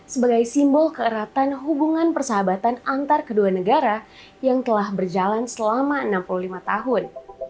sebagai simbol keeratan hubungan persahabatan antar kedua negara yang telah berjalan selama enam puluh lima tahun